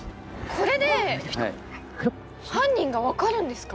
「これで犯人が分かるんですか？」